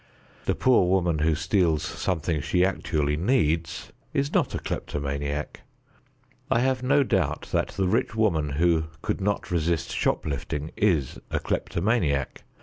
The poor woman who steals something she actually needs is not a kleptomaniac. I have no doubt that the rich woman who could not resist shop lifting is a kleptomaniac.